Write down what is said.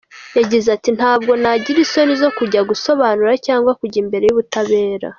Yagize ati “Ntabwo nagira isoni zo kujya gusobanura cyangwa kujya imbere y’ubutabera.